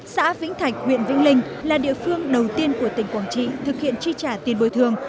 xã vĩnh thạch huyện vĩnh linh là địa phương đầu tiên của tỉnh quảng trị thực hiện chi trả tiền bồi thường